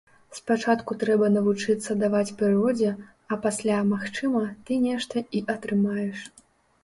Спачатку трэба навучыцца даваць прыродзе, а пасля, магчыма, ты нешта і атрымаеш.